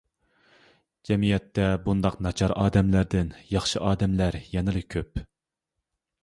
جەمئىيەتتە بۇنداق ناچار ئادەملەردىن ياخشى ئادەملەر يەنىلا كۆپ.